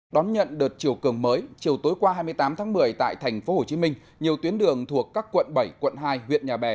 đón nhận đợt chiều cường mới chiều tối qua hai mươi tám tháng một mươi tại tp hcm nhiều tuyến đường thuộc các quận bảy quận hai huyện nhà bè